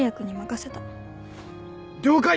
了解！